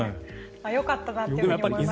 よかったなと思います。